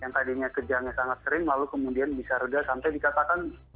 yang tadinya kejangnya sangat sering lalu kemudian bisa reda sampai dikatakan